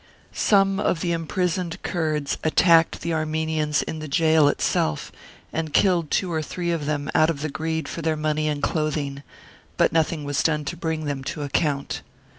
Some of the imprisoned Kurds attacked the Armenians in the gaol itself, and killed two or three of them out of greed for their money and clothing, but nothing was done to bring them to account.